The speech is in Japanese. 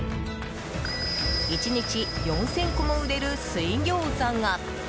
１日４０００個も売れる水餃子が。